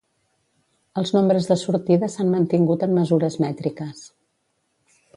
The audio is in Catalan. Els nombres de sortida s'han mantingut en mesures mètriques.